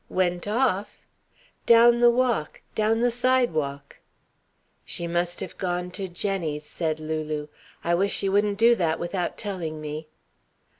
"Went off!" "Down the walk. Down the sidewalk." "She must have gone to Jenny's," said Lulu. "I wish she wouldn't do that without telling me."